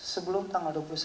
sebelum tanggal dua puluh satu